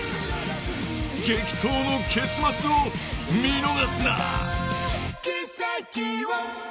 激闘の結末を見逃すな！